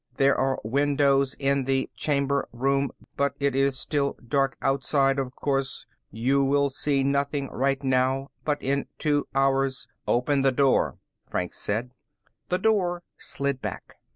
There are windows in the Chamber Room, but it is still dark outside, of course. You'll see nothing right now, but in two hours " "Open the door," Franks said. The door slid back.